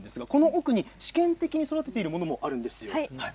奥に試験的に育っているものがあります。